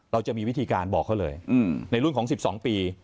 เราจะมีวิธีการบอกเขาเลยในรุ่นของ๑๒ปี